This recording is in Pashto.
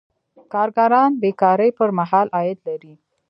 کارګران بې کارۍ پر مهال عاید لري.